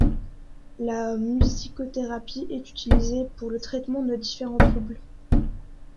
La musicothérapie est utilisée pour le traitements de différents troubles.